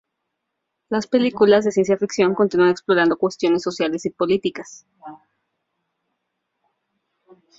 Las películas de ciencia ficción continúan explorando cuestiones sociales y políticas.